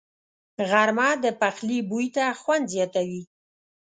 غرمه د پخلي بوی ته خوند زیاتوي